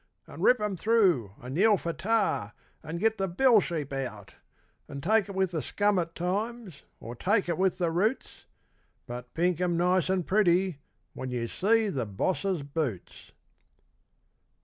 And rip 'em through and yell for 'tar' and get the bell sheep out, And take it with the scum at times or take it with the roots, But 'pink' 'em nice and pretty when you see the Boss's boots.